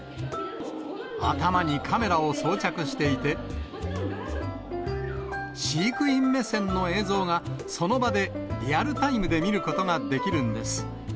頭にカメラを装着していて、飼育員目線の映像が、その場でリアルタイムで見ることができるんです。